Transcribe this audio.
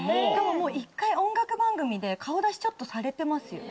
もう１回音楽番組で顔出しちょっとされてますよね？